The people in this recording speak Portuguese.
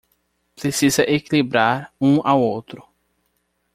Precisa equilibrar um ao outro